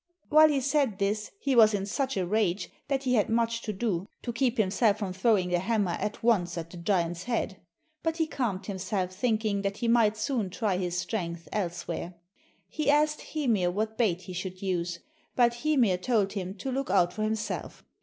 While he said this he was in such a rage that he had much to do to keep himself from throwing the hammer at once at the giant's head, but he calmed himself thinking that he might soon try his strength elsewhere. He asked Hymir what bait he should use, but Hymir told him to look out for himself.